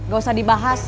gak usah dibahas